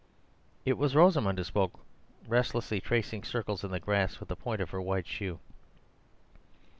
It was Rosamund who spoke, restlessly tracing circles in the grass with the point of her white shoe.